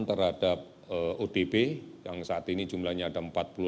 terhadap odp yang saat ini jumlahnya ada empat puluh delapan tujuh ratus empat puluh sembilan